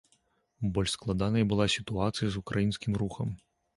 Больш складанай была сітуацыя з украінскім рухам.